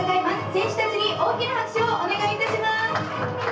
選手たちに大きな拍手をお願いいたします。